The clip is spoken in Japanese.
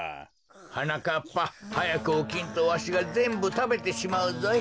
はなかっぱはやくおきんとわしがぜんぶたべてしまうぞい。